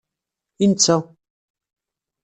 I netta?